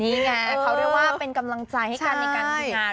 นี่ไงเขาเรียกว่าเป็นกำลังใจให้กันในการทำงาน